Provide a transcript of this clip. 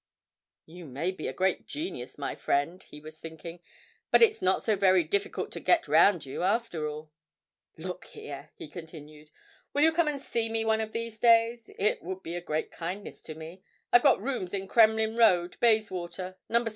('You may be a great genius, my friend,' he was thinking, 'but it's not so very difficult to get round you, after all!') 'Look here,' he continued, 'will you come and see me one of these days it would be a great kindness to me. I've got rooms in Kremlin Road, Bayswater, No.